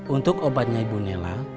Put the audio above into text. untuk obatnya ibu nayla